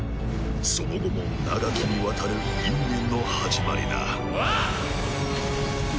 その後も長きにわたる因縁の始まりだテヤッ！